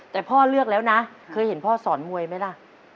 แต่พ่อเลือกแล้วนะเคยเห็นพ่อสอนมวยไหมล่ะ